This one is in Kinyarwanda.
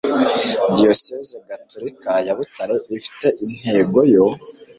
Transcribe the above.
diyosezi gatolika ya butare ifite intego yo